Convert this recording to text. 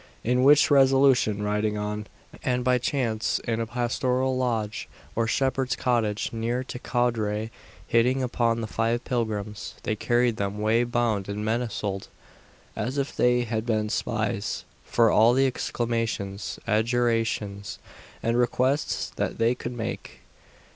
In which resolution riding on, and by chance in a pastoral lodge or shepherd's cottage near to Coudray hitting upon the five pilgrims, they carried them way bound and manacled, as if they had been spies, for all the exclamations, adjurations, and requests that they could make.